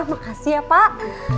makasih ya pak